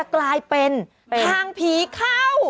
กลายเป็นทางผีเข้า